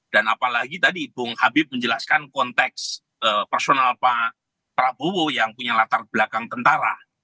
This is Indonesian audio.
dan apalagi tadi ibu habib menjelaskan konteks personal pak prabowo yang punya latar belakang tentara